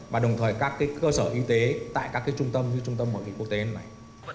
và đồng thời các cơ sở y tế tại các trung tâm như trung tâm bảo vệ quốc tế này